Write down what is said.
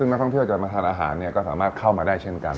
นักท่องเที่ยวจะมาทานอาหารก็สามารถเข้ามาได้เช่นกัน